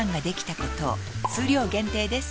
数量限定です